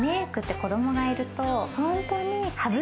子どもがいるとホントに。